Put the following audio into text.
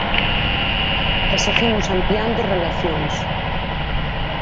E seguimos ampliando relacións.